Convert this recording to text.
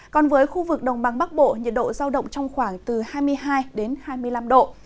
còn với khu vực đồng bằng bắc bộ nhiệt độ giao động trong khoảng từ hai mươi hai đến hai mươi năm độ